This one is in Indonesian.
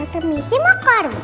tante nici mau ke rumah